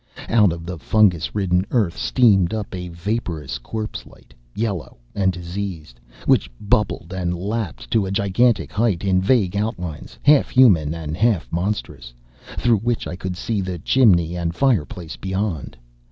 Out of the fungus ridden earth steamed up a vaporous corpse light, yellow and diseased, which bubbled and lapped to a gigantic height in vague outlines half human and half monstrous, through which I could see the chimney and fireplace beyond.